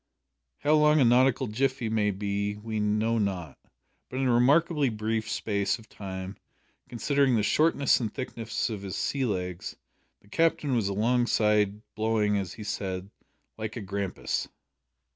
How long a nautical jiffy may be we know not, but, in a remarkably brief space of time, considering the shortness and thickness of his sea legs, the Captain was alongside, blowing, as he said, "like a grampus."